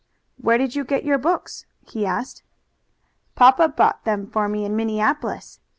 "Where did you get your books?" he asked. "Papa bought them for me in Minneapolis.